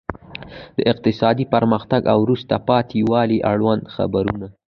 د اقتصادي پرمختګ او وروسته پاتې والي اړوند خبرونه.